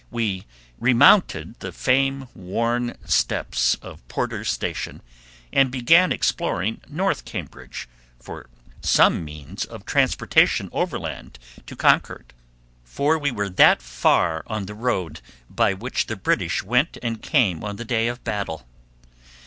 We remounted the fame worn steps of Porter's Station, and began exploring North Cambridge for some means of transportation overland to Concord, for we were that far on the road by which the British went and came on the day of the battle.